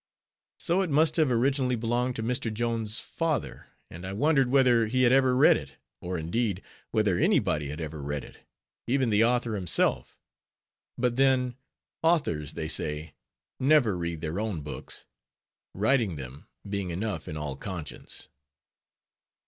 So it must have originally belonged to Mr. Jones' father; and I wondered whether he had ever read it; or, indeed, whether any body had ever read it, even the author himself; but then authors, they say, never read their own books; writing them, being enough in all conscience.